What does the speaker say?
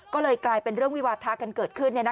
ก็เลยกลายเป็นเรื่องวิวาทะกันเกิดขึ้น